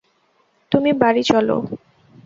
তুমি বাড়ি চলো।